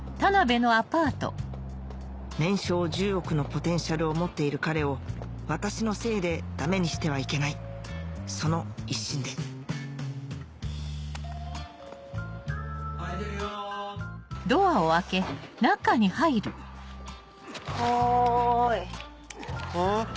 年商１０億のポテンシャルを持っている彼を私のせいでダメにしてはいけないその一心で・開いてるよ・おい。